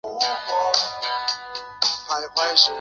返台后任教则于台湾大学中文系。